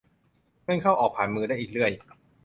เงินเข้าออกผ่านมือได้อีกเรื่อย